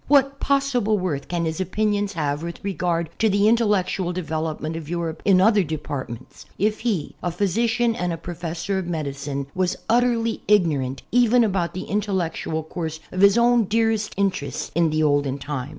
What possible worth can his opinions have with regard to' the intellectual development of Europe in other departments, if he, a physician and a professor of medicine, was utterly ignorant, even about the intellectual course of his own dearest interests in the olden time